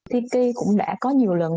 tiki cũng đã có nhiều lần